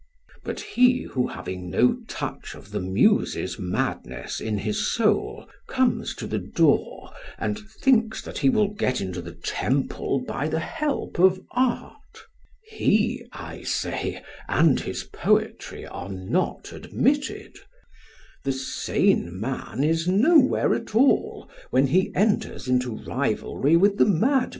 But he who having no touch of the Muses' madness in his soul, comes to the door and thinks that he will get into the temple by the help of art he, I say, and his poetry are not admitted; the sane man is nowhere at all when he enters into rivalry with the madman."